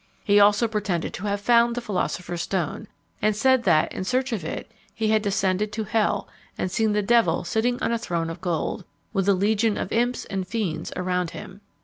He also pretended to have found the philosopher's stone; and said that, in search of it, he had descended to hell, and seen the devil sitting on a throne of gold, with a legion of imps and fiends around him.